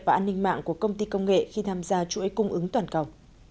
và an ninh mạng của công ty công nghệ khi tham gia chuỗi cung ứng toàn cầu